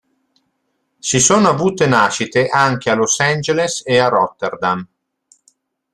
Si sono avute nascite anche a Los Angeles e a Rotterdam.